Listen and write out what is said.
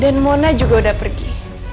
dan mona juga udah pergi